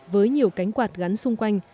với nhiều cánh quạt gắn xung quanh